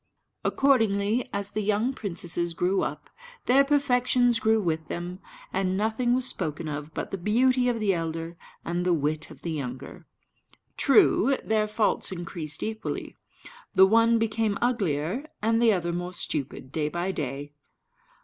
Accordingly, as the young princesses grew up, their perfections grew with them; and nothing was spoken of but the beauty of the elder and the wit of the younger. True, their faults increased equally: the one became uglier, and the other more stupid, day by day.